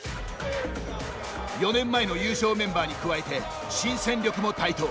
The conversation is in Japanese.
４年前の優勝メンバーに加えて新戦力も台頭。